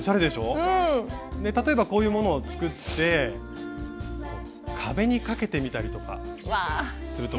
例えばこういうものを作って壁にかけてみたりとかすると。